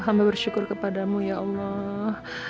kami bersyukur kepadamu ya allah